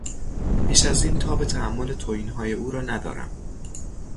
بیش از این تاب تحمل توهینهای او را ندارم.